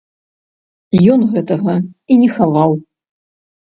Ён гэтага і не хаваў.